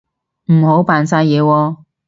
唔好扮晒嘢喎